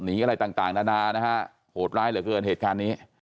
อะไรต่างนานานะฮะโหดร้ายเหลือเกินเหตุการณ์นี้